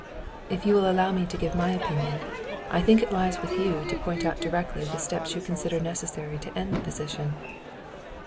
"If you will allow me to give my opinion, I think that it lies with you to point out directly the steps you consider necessary to end the position."